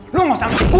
lu mau sampai gua